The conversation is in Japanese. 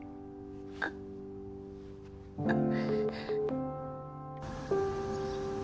あっあっ。